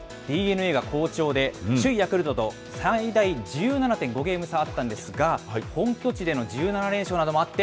ＤｅＮＡが好調で、首位ヤクルトと最大１７．５ゲーム差あったんですが、ぐっと。